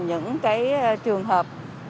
những cái trường hợp